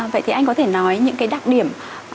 vậy thì anh có thể nói những cái đặc điểm